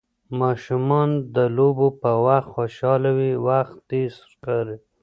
ماشومان د لوبو په وخت خوشحاله وي، وخت تېز ښکاري.